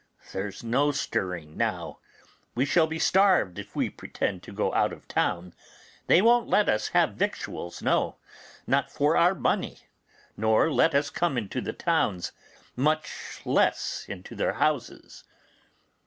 There's no stirring now; we shall be starved if we pretend to go out of town. They won't let us have victuals, no, not for our money, nor let us come into the towns, much less into their houses.